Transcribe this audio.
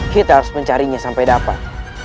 kita harus mencarinya sampai dapat